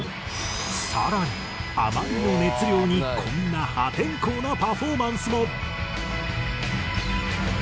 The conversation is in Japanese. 更にあまりの熱量にこんな破天荒なパフォーマンスも。